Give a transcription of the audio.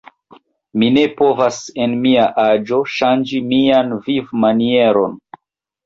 Mi ne povas, en mia aĝo, ŝanĝi mian vivmanieron.